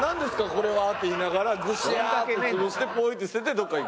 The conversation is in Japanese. これは」って言いながらグシャッと潰してポイって捨ててどっか行くんじゃないですか？